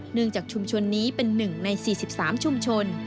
หนึ่งจากชุมชนนี้เป็นหนึ่งใน๔๓ชุมชน